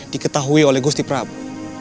diketahui oleh gusti prabu